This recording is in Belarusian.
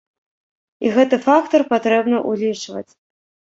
І гэты фактар патрэбна ўлічваць.